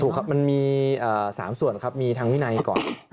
ครับมันมี๓ส่วนครับมีทางวินัยก่อน